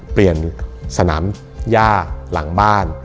เปลี่ยนสนามย่าหลังบ้าน